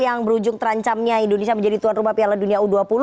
yang berujung terancamnya indonesia menjadi tuan rumah piala dunia u dua puluh